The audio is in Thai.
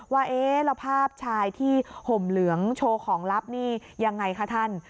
ว่าเอ๊ะแล้วภาพชายที่ห่มเหลืองโชว์ของลับนี่ยังไงคะท่าน